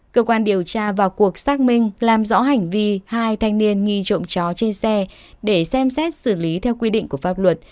cơ quan điều tra vào cuộc xác minh làm rõ hành vi hai thanh niên nghi trộm chó trên xe để xem xét xử lý theo quy định của pháp luật